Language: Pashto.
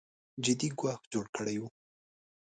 جدي ګواښ جوړ کړی و